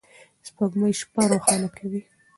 سپوږمۍ شپه روښانه کوي.